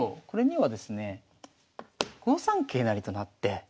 これにはですねえ５三桂成となって。